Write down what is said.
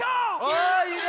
おいいね！